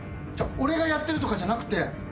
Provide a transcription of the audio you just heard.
俺がやってるとかじゃなくて。